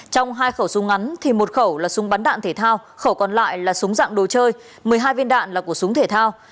trong hai khẩu súng ngắn thì một khẩu là súng bắn đạn thể thao khẩu còn lại là súng dạng đồ chơi một mươi hai viên đạn là của súng thể thao